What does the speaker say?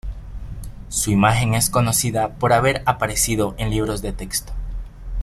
Su imagen es conocida por haber aparecido en libros de texto.